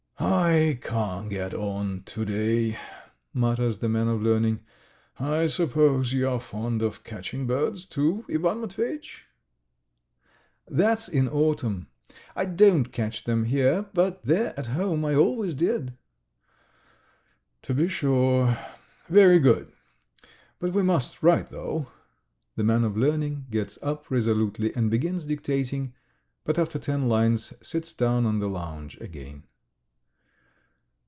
"I can't get on to day ..." mutters the man of learning. "I suppose you are fond of catching birds, too, Ivan Matveyitch?" "That's in autumn, ... I don't catch them here, but there at home I always did." "To be sure ... very good. But we must write, though." The man of learning gets up resolutely and begins dictating, but after ten lines sits down on the lounge again.